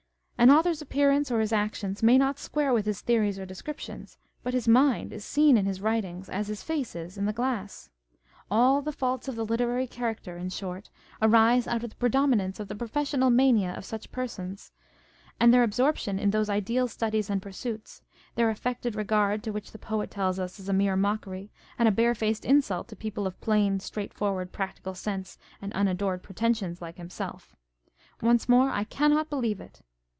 An author's appearance or his actions may not square with his theories or descriptions, but his mind is seen in his writings, as his face is in the glass. All the faults of the literary character, in short, arise out of the predominance of the professional mania of such persons, and their 522 On the Jealousy and the Spleen of Party. absorption in those ideal studies and pursuits, their af fected regard to which the poet tells us is a mere mockery, and a barefaced insult to people of plain, straightforward, practical sense and unadorned pretensions, like himself. Once more, I cannot believe it.